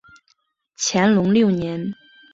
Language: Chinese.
乾隆六年。